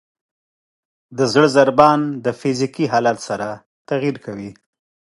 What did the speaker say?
د زړه ضربان د فزیکي حالت سره تغیر کوي.